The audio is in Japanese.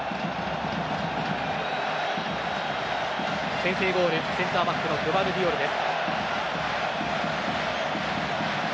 先制ゴール、センターバックのグヴァルディオルです。